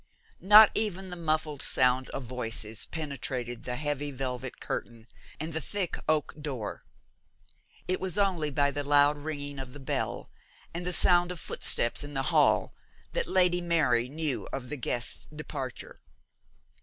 Not even the muffled sound of voices penetrated the heavy velvet curtain and the thick oak door. It was only by the loud ringing of the bell and the sound of footsteps in the hall that Lady Mary knew of the guest's departure.